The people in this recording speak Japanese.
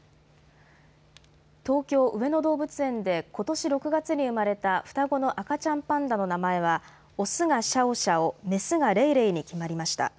東京上野動物園でことし６月に生まれた双子の赤ちゃんパンダの名前はオスがシャオシャオ、メスがレイレイに決まりました。